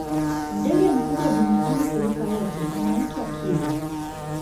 ndege mkubwa duniani kuliko wote anaitwa kiwi